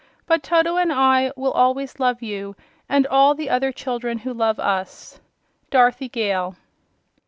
BUT TOTO AND I WILL ALWAYS LOVE YOU AND ALL THE OTHER CHILDREN WHO LOVE US. "DOROTHY GALE."